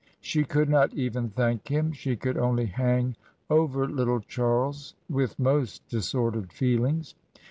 ... She could not even thank him. She could only hang over little Charles with most disordered feelings